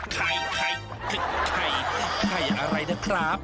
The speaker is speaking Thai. ไข่ไข่อะไรแนะครับ